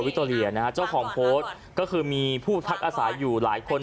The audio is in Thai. คโตเรียนะฮะเจ้าของโพสต์ก็คือมีผู้พักอาศัยอยู่หลายคน